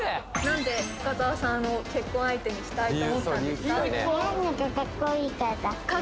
何で深澤さんを結婚相手にしたいと思ったんですか？